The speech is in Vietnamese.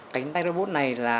cánh tay robot này